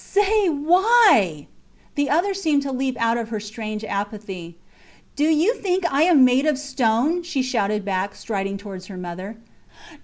Say! Why? The other seemed to leap out of her strange apathy. Do you think I am made of stone? she shouted back, striding towards her mother.